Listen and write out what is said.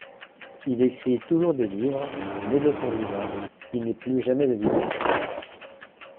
Il écrit toujours des livres, mais de son vivant, il n'est plus jamais édité.